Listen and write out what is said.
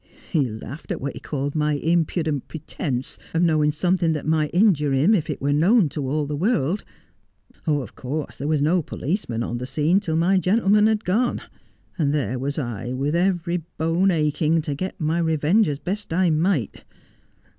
He laughed at what he called my impudent pretence of knowing something that might injure him if it were known to all the world. Of course there was no policeman on the scene till my gentleman had gone, and there was I, with every bone aching, to get my revenge as best I might.